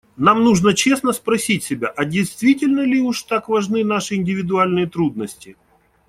Нам нужно честно спросить себя, а действительно ли уж так важны наши индивидуальные трудности.